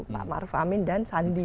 pak maruf amin dan sandi